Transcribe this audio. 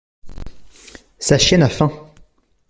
Sa chienne a faim.